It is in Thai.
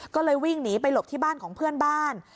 ก็เลยวิ่งหนีไปหลบที่บ้านของเพื่อนบ้าน